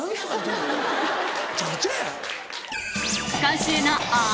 むちゃくちゃや。